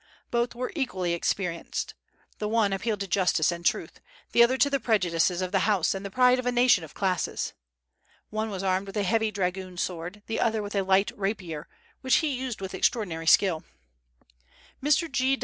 Both were equally experienced. The one appealed to justice and truth; the other to the prejudices of the House and the pride of a nation of classes. One was armed with a heavy dragoon sword; the other with a light rapier, which he used with extraordinary skill. Mr.